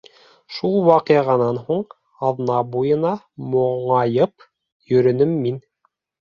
Шул ваҡиғанан һуң, аҙна буйына моңайып йөрөнөм мин.